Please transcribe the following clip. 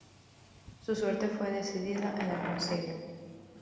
Su suerte fue decidida en el concilio.